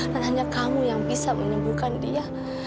dan hanya kamu yang bisa menyembuhkan dia